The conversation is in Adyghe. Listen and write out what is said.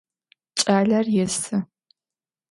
Кӏалэр есы.